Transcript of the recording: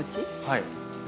はい。